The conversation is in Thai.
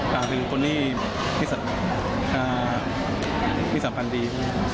การธึงตัวหนี้มีสำคัญดี